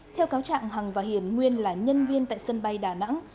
theo cáo trạng hằng và hiền nguyên là nhân viên tại sân bay đà nẵng